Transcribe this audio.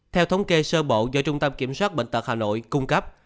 theo thống kê sơ bộ do trung tâm kiểm soát bệnh tật hà nội cung cấp